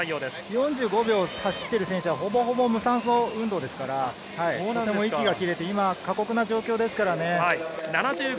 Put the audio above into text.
４５秒走っている選手はほぼほぼ無酸素運動ですから、過酷な状況ですからね。